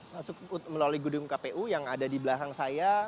masuk melalui gedung kpu yang ada di belakang saya